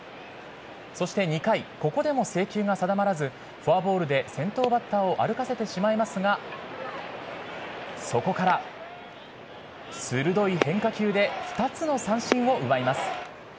そして２回ここでも制球が定まらずフォアボールで先頭バッターを歩かせてしまいますがそこから鋭い変化球で２つの三振を奪います。